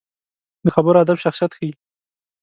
د خبرو ادب شخصیت ښيي